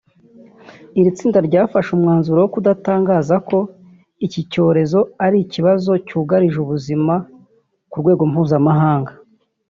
Iri tsinda ryafashe umwanzuro wo kudatangaza ko iki cyorezo ari ikibazo cyugarije ubuzima ku rwego mpuzamahanga